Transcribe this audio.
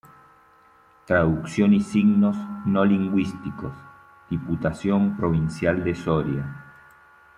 Traducción y signos no lingüísticos", Diputación provincial de Soria.